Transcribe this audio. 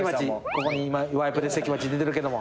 ここに今ワイプで関町出てるけども。